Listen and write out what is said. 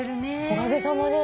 おかげさまで。